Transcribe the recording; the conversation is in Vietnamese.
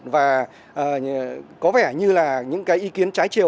và có vẻ như là những cái ý kiến trái chiều